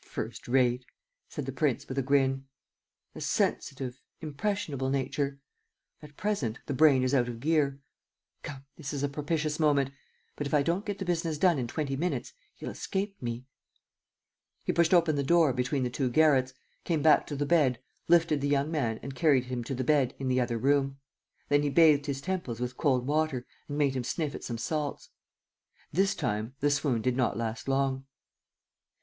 "First rate," said the prince, with a grin. "A sensitive, impressionable nature. ... At present, the brain is out of gear. ... Come, this is a propitious moment. ... But, if I don't get the business done in twenty minutes ... he'll escape me. ..." He pushed open the door between the two garrets, came back to the bed, lifted the young man and carried him to the bed in the other room. Then he bathed his temples with cold water and made him sniff at some salts. This time, the swoon did not last long.